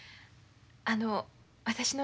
あの私の